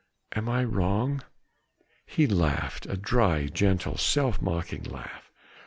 Am I wrong?" He laughed, a dry, gentle, self mocking laugh.